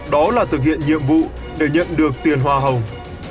đó là thực hiện nhiệm vụ để nhận được tiền hoa hồng